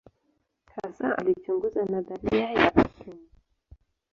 Hasa alichunguza nadharia ya atomu.